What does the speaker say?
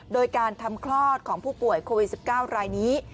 โดยการทำคลอดของผู้ป่วยโควิด๑๙รายนี้